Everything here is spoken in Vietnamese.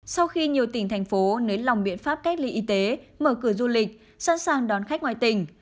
sau khi nhiều tỉnh thành phố nới lỏng biện pháp cách ly y tế mở cửa du lịch sẵn sàng đón khách ngoài tỉnh